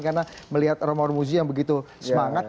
karena melihat romahur muzi yang begitu semangat